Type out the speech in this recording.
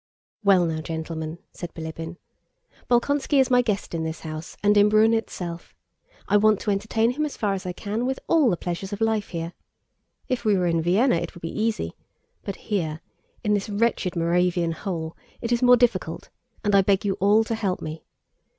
"Well now, gentlemen," said Bilíbin, "Bolkónski is my guest in this house and in Brünn itself. I want to entertain him as far as I can, with all the pleasures of life here. If we were in Vienna it would be easy, but here, in this wretched Moravian hole, it is more difficult, and I beg you all to help me.